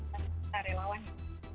kita rela lah ya